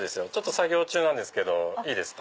作業中なんですけどいいですか？